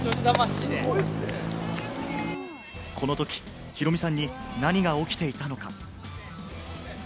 このとき、ヒロミさんに何が起きていたのか？